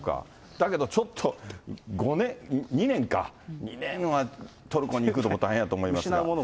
だけどちょっと２年か、２年は、トルコに行くってこと大変だと思いますが。